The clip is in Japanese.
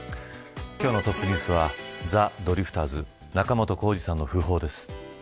今日のトップニュースはザ・ドリフターズ仲本工事さんの訃報です。